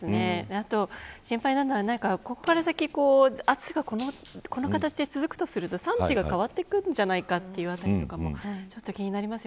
あと、心配なのはここから先暑さがこの形で続くとすると産地が変わってくるんじゃないかというのも気になります。